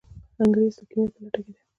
انګریز د کیمیا په لټه کې دی.